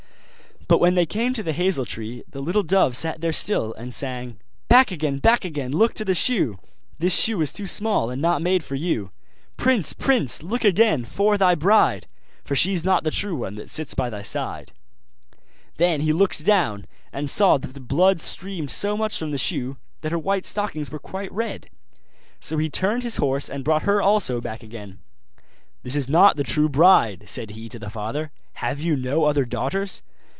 But when they came to the hazel tree the little dove sat there still, and sang: 'Back again! back again! look to the shoe! The shoe is too small, and not made for you! Prince! prince! look again for thy bride, For she's not the true one that sits by thy side.' Then he looked down, and saw that the blood streamed so much from the shoe, that her white stockings were quite red. So he turned his horse and brought her also back again. 'This is not the true bride,' said he to the father; 'have you no other daughters?